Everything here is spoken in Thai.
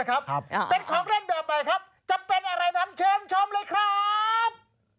อ้าวเคยครับ